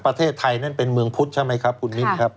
ประเทศไทยนั้นเป็นเมืองพุทธใช่ไหมครับคุณมิ้นครับ